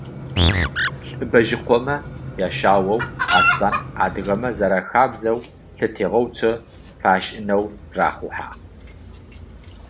ЛӀыбэжъыкъомэ яшъаоу Аслъан, адыгэмэ зэряхабзэу, лъэтегъэуцо фашӏынэу рахъухьагъ.